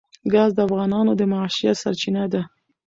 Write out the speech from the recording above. ګاز د افغانانو د معیشت سرچینه ده.